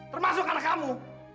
termasuk karena kamu